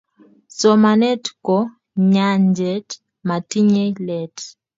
Somanet ko nyanjet motinyei let